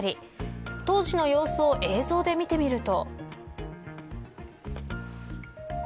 当時の様子を映像で見てみると。